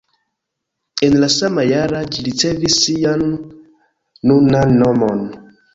En la sama jara ĝi ricevis sian nunan nomon.